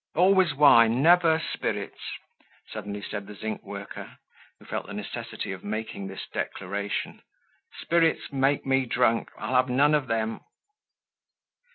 "Always wine, never spirits!" suddenly said the zinc worker, who felt the necessity of making this declaration. "Spirits make me drunk, I'll have none of them."